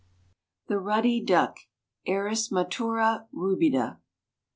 ] THE RUDDY DUCK. (_Erismatura rubida.